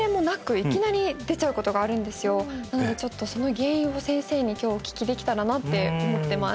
私の場合何だかなのでちょっとその原因を先生に今日お聞きできたらなって思ってます